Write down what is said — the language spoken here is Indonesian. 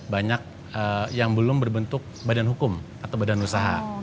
banyak yang belum berbentuk badan hukum atau badan usaha